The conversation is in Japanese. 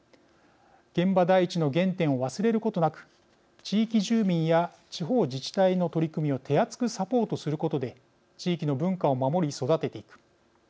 現場第一の原点を忘れることなく地域住民や地方自治体の取り組みを手厚くサポートすることで地域の文化を守り、育てていく。